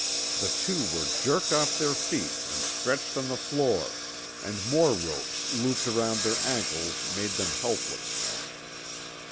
The two were jerked off their feet and stretched on the floor, and more ropes looped about their ankles made them helpless.